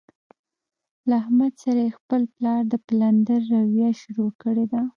له احمد سره یې خپل پلار د پلندر رویه شروع کړې ده.